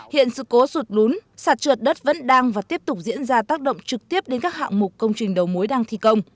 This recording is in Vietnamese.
hiện sự cố sụt lún sạt trượt đất vẫn đang và tiếp tục diễn ra tác động trực tiếp đến các hạng mục công trình đầu mối đang thi công